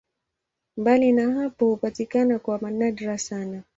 Mbali na hapo hupatikana kwa nadra sana.